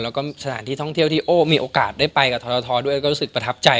แล้วก็สถานที่ท่องเที่ยวที่โอ้มีโอกาสได้ไปกับทรทด้วยก็รู้สึกประทับใจ